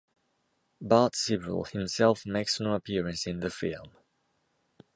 Bart Sibrel himself makes no appearance in the film.